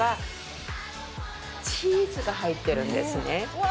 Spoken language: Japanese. うわ！